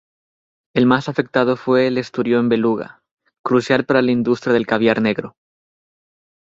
El más afectado fue el esturión beluga, crucial para la industria del caviar negro.